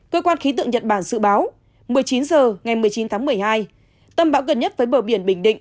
cơ quan khí tượng nhật bản dự báo một mươi chín h ngày một mươi chín tháng một mươi hai tâm bão gần nhất với bờ biển bình định